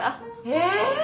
え！